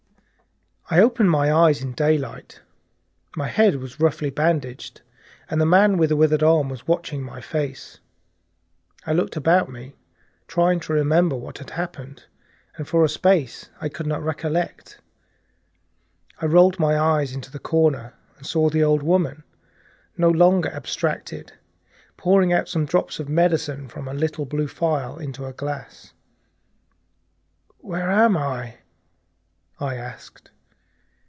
I opened my eyes in daylight. My head was roughly bandaged, and the man with the withered hand was watching my face. I looked about me trying to remember what had happened, and for a space I could not recollect. I rolled my eyes into the corner and saw the old woman, no longer abstracted, no longer terrible, pouring out some drops of medicine from a little blue phial into a glass. "Where am I?" I said.